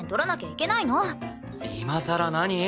今さら何？